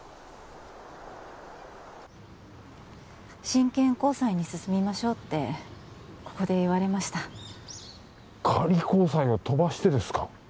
「真剣交際に進みましょう」ってここで言われました仮交際を飛ばしてですか？